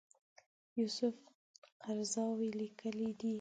یوسف قرضاوي لیکلي دي.